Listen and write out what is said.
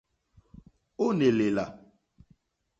Ó ǃné lèlà.